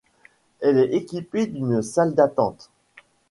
Elle est équipée d'une salle d'attente.